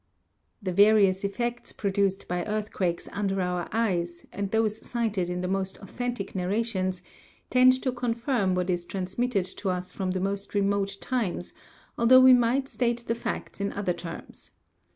The various effects produced by earthquakes under our eyes, and those cited in the most authentic narrations, tend to confirm what is transmitted to us from the most remote times, although we might state the facts in other terms.